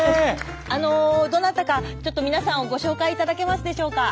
あのどなたかちょっと皆さんをご紹介頂けますでしょうか。